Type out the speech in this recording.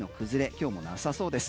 今日もなさそうです。